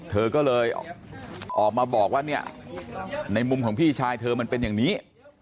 เธอก็เลยออกมาบอกว่าเนี่ยในมุมของพี่ชายเธอมันเป็นอย่างนี้